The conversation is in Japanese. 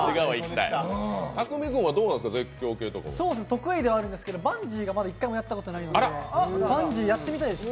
得意ではあるんですけどバンジーは１回もやったことないので、バンジーやってみたいです。